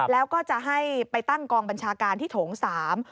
แล้วก็จะให้ไปตั้งกองบัญชาการที่โถงสาม